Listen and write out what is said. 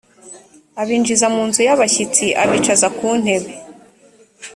abinjiza mu nzu y abashyitsi abicaza ku ntebe